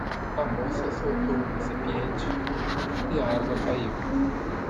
A moça soltou o recipiente? e a água caiu.